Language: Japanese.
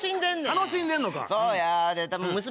楽しんでんねん！